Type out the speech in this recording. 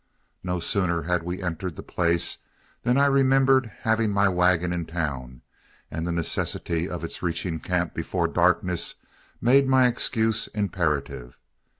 No sooner had we entered the place than I remembered having my wagon in town, and the necessity of its reaching camp before darkness made my excuse imperative.